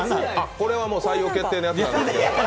これはもう採用決定のやつなんですけれども。